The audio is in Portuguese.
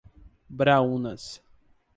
Braúnas